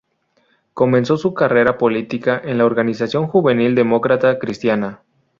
Comenzó su carrera política en la organización juvenil Demócrata Cristiana.